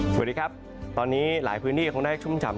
สวัสดีครับตอนนี้หลายพื้นที่คงได้ชุ่มฉ่ำ